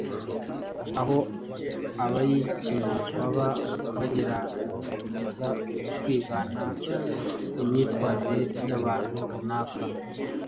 aho abayikina baba bagerageza kwigana imyitwarire y’abantu runaka.